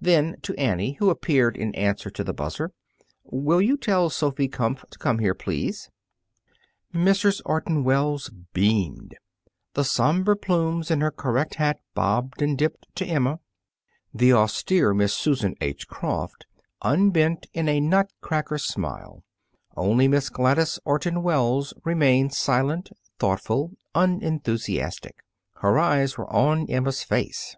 Then to Annie, who appeared in answer to the buzzer, "Will you tell Sophy Kumpf to come here, please?" Mrs. Orton Wells beamed. The somber plumes in her correct hat bobbed and dipped to Emma. The austere Miss Susan H. Croft unbent in a nutcracker smile. Only Miss Gladys Orton Wells remained silent, thoughtful, unenthusiastic. Her eyes were on Emma's face.